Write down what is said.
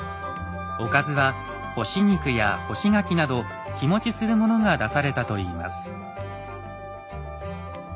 おかずは干し肉や干し柿など日もちするものが出されたといいます。